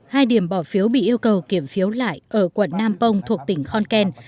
hai điểm bầu phiếu bị yêu cầu kiểm phiếu lại ở quận nam phong thuộc tỉnh khon ken